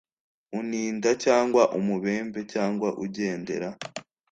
uninda cyangwa umubembe cyangwa ugendera